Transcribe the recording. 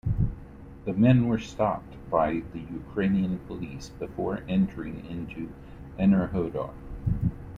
The men were stopped by the Ukrainian police before entering into Enerhodar.